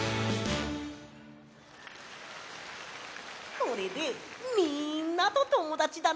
これでみんなとともだちだな！